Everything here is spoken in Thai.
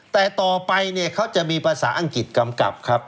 แต่ต่อไปเนี่ยเขาจะมีภาษาอังกฤษกำกับครับ